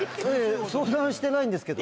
相談してないんですけど。